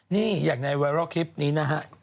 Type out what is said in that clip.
นี่อย่างในไวรัลคลิปนี้นะฮะ